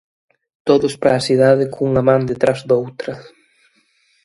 Todos para a cidade cunha man detrás doutra.